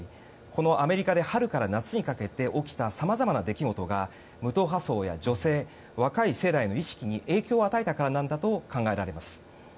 このアメリカで春から夏にかけて起きたさまざまな出来事が無党派層や女性若い世代の意識に影響を与えたからだと考えられます。